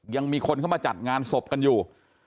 ยังมีคนเข้ามาจัดงานศพกันอยู่